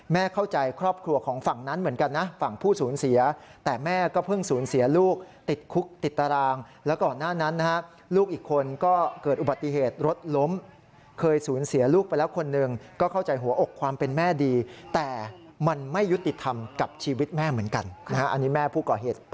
เข้าใจครอบครัวของฝั่งนั้นเหมือนกันนะฝั่งผู้สูญเสียแต่แม่ก็เพิ่งสูญเสียลูกติดคุกติดตารางแล้วก่อนหน้านั้นนะฮะลูกอีกคนก็เกิดอุบัติเหตุรถล้มเคยสูญเสียลูกไปแล้วคนหนึ่งก็เข้าใจหัวอกความเป็นแม่ดีแต่มันไม่ยุติธรรมกับชีวิตแม่เหมือนกันนะฮะอันนี้แม่ผู้ก่อเหตุ